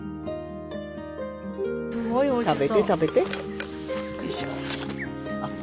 食べて食べて。